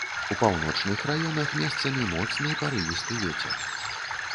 У паўночных раёнах месцамі моцны парывісты вецер.